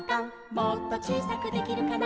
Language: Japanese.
「もっとちいさくできるかな」